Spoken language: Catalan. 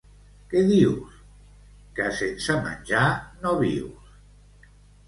—Què dius? / —Que sense menjar no vius.